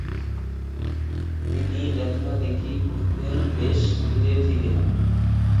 তিনি লেখালেখি করতেন বেশ ধীরে ধীরে।